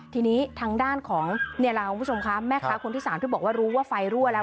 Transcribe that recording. ทีนี้ทางด้านของแม่ค้าคนที่สามที่บอกว่ารู้ว่าไฟรั่วแล้ว